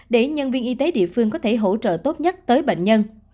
để nhân viên y tế địa phương có thể hỗ trợ tốt nhất tới bệnh nhân